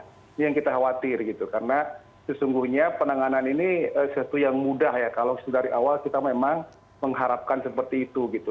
ini yang kita khawatir gitu karena sesungguhnya penanganan ini sesuatu yang mudah ya kalau dari awal kita memang mengharapkan seperti itu gitu